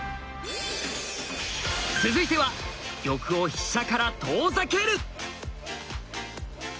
続いては「玉を飛車から遠ざける」。